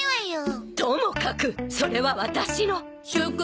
ともかくそれはワタシの。